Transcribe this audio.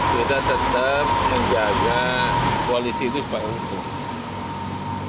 kita tetap menjaga koalisi itu supaya